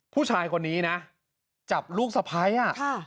ผู้ชายคนนี้นะจับลูกสะพ้ายอ่ะค่ะ